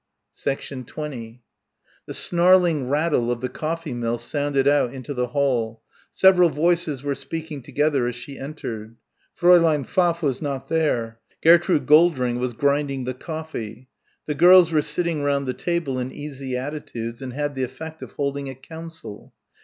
20 The snarling rattle of the coffee mill sounded out into the hall. Several voices were speaking together as she entered. Fräulein Pfaff was not there. Gertrude Goldring was grinding the coffee. The girls were sitting round the table in easy attitudes and had the effect of holding a council.